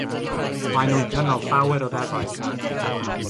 Maen nhw'n cynnal llawer o ddefaid.